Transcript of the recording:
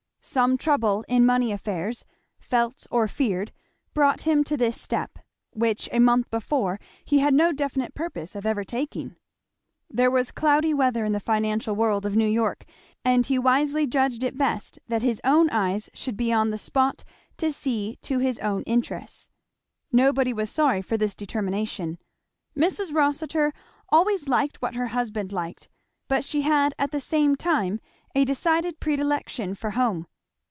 Some trouble in money affairs, felt or feared, brought him to this step, which a month before he had no definite purpose of ever taking. There was cloudy weather in the financial world of New York and he wisely judged it best that his own eyes should be on the spot to see to his own interests. Nobody was sorry for this determination. Mrs. Rossitur always liked what her husband liked, but she had at the same time a decided predilection for home.